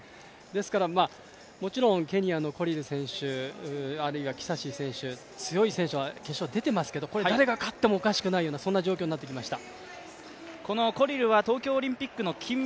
ですからもちろんケニアのコリル選手、あるいはキサシー選手、強い選手は決勝に出ていますけど、誰が勝ってもおかしくないような状況になってきました。